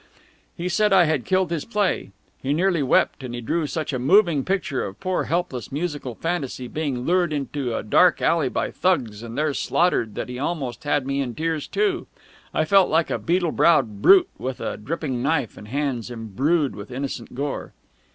He said I had killed his play. He nearly wept, and he drew such a moving picture of a poor helpless musical fantasy being lured into a dark alley by thugs and there slaughtered that he almost had me in tears too. I felt like a beetle browed brute with a dripping knife and hands imbrued with innocent gore."